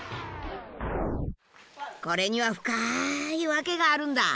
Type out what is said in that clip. これには深いワケがあるんだ。